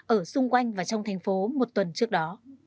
ở xung quanh và trong thành phố một tuần trước đó